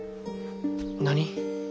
何？